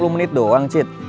dua puluh menit doang cid